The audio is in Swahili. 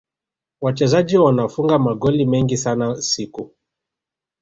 wachezaji wanafunga magoli mengi sana siku